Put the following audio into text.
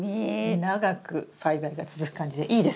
長く栽培が続く感じでいいですね。